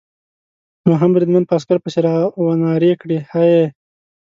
دوهم بریدمن په عسکر پسې را و نارې کړې: هې!